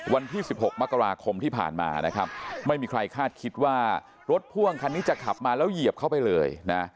วันที่๑๖มกราคมที่ผ่านมานะครับไม่มีใครคาดคิดว่ารถพ่วงคันนี้จะขับมาแล้วเหยียบเข้าไปเลยนะ